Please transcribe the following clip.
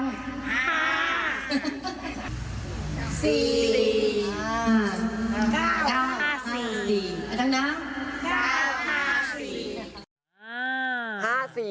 อาจารย์ดำ